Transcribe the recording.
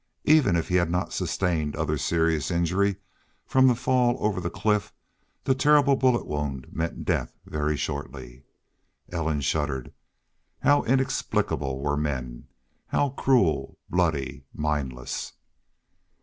Even if he had not sustained other serious injury from the fall over the cliff, that terrible bullet wound meant death very shortly. Ellen shuddered. How inexplicable were men! How cruel, bloody, mindless!